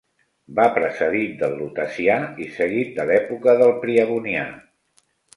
Va precedit del lutecià i seguit de l'època del priabonià.